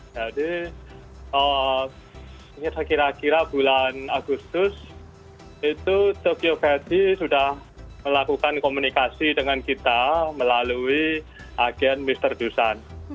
jadi kira kira bulan agustus itu tokyo verudy sudah melakukan komunikasi dengan kita melalui agen mr dusan